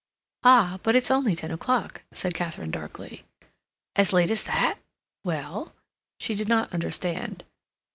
"Ah, but it's only ten o'clock," said Katharine darkly. "As late as that! Well—?" She did not understand.